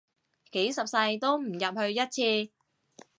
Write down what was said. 幾十世都唔入去一次